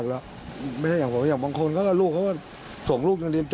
รถเรายังไปได้เรื่อย